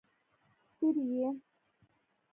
څرې يې؟